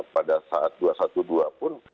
pada saat dua ratus dua belas pun